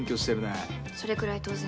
それくらい当然です。